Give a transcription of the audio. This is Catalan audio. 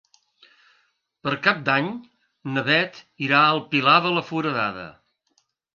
Per Cap d'Any na Beth irà al Pilar de la Foradada.